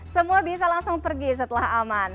semua bisa langsung pergi setelah aman